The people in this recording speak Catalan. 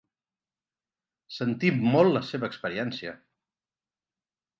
Sentim molt la seva experiència.